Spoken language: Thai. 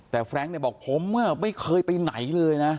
แต่แฟรงค์เนี่ยบอกผมไม่เคยไปไหนเลยนะ